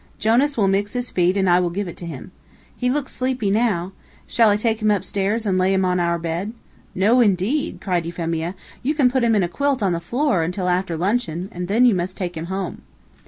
Jonas will mix his feed and I will give it to him. He looks sleepy now. Shall I take him upstairs and lay him on our bed?" "No, indeed," cried Euphemia. "You can put him on a quilt on the floor, until after luncheon, and then you must take him home."